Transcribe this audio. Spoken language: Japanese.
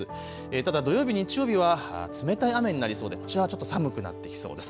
ただ土曜日、日曜日は冷たい雨になりそうでこちらはちょっと寒くなってきそうです。